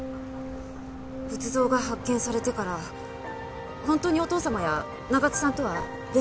仏像が発見されてから本当にお父様や長津さんとは連絡取ってないんですか？